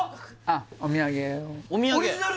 お土産！